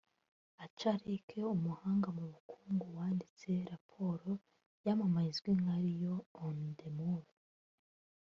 Acha Leke umuhanga mu bukungu wanditse raporo yamamaye izwi nka ‘Lions on the move’